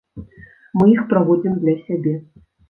Мы іх праводзім для сябе.